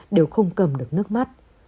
đều không cầm được nước mắt